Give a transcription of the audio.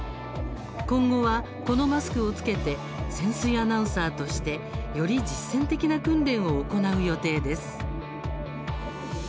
今後は、このマスクを着けて潜水アナウンサーとしてより実践的な訓練を行う予定です。